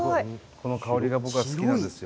この香りが僕は好きなんですよ。